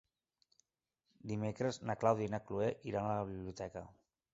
Dimecres na Clàudia i na Cloè iran a la biblioteca.